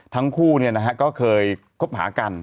ทั้งคู่เนี่ยนะฮะก็เคยคบหากัน